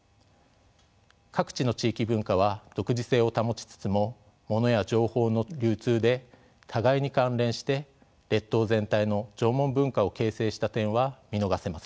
各地の地域文化は独自性を保ちつつもモノや情報の流通で互いに関連して列島全体の縄文文化を形成した点は見逃せません。